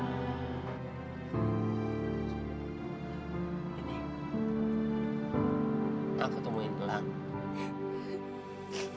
aku mau ketemu inglis